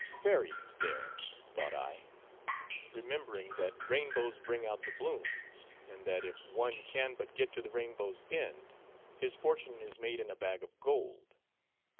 Fairies there, thought I; remembering that rainbows bring out the blooms, and that, if one can but get to the rainbow's end, his fortune is made in a bag of gold.